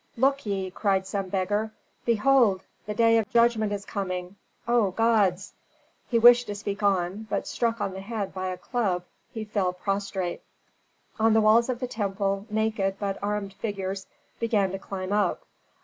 "Look ye!" cried some beggar. "Behold the day of judgment is coming O gods " He wished to speak on, but struck on the head by a club he fell prostrate. On the walls of the temple naked but armed figures began to climb up.